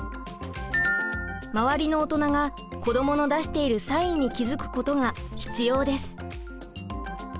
周りの大人が子どもの出しているサインに気づくことが必要です。